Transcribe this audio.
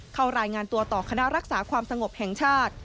เข้ารายงานตัวต่อคณะรักษาความสงบแห่งชาติ